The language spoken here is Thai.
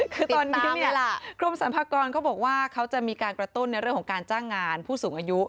คือตอนนี้กรมสรรพากรเขาบอกว่าเขาจะมีการกระตุ้นในเรื่องของการจ้างงานผู้สูงอายุ